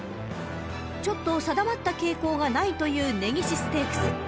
［ちょっと定まった傾向がないという根岸ステークス］